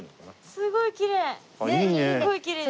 すごいきれいです！